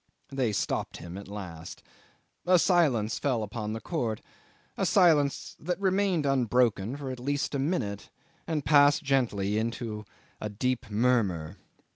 They stopped him at last. A silence fell upon the court, a silence that remained unbroken for at least a minute, and passed gently into a deep murmur.